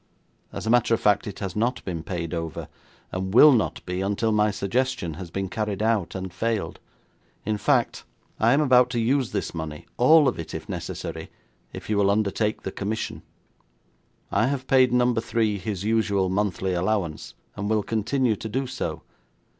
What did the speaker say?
As a matter of fact, it has not been paid over, and will not be until my suggestion has been carried out, and failed. In fact, I am about to use this money, all of it if necessary, if you will undertake the commission. I have paid Number Three his usual monthly allowance, and will continue to do so.